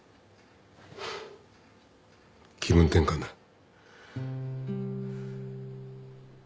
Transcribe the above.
気分転換だ。